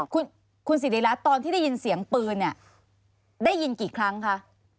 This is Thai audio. คุณสิริรัตน์ตอนที่ได้ยินเสียงปืนเนี่ยได้ยินกี่ครั้งคะ